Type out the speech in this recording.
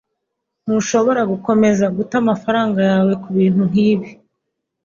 Ntushobora gukomeza guta amafaranga yawe kubintu nkibi.